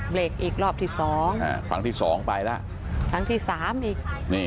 เบลกอีกรอบที่๒ครั้งที่๒ไปแล้วครั้งที่๓อีก